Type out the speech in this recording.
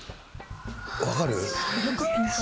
分かる？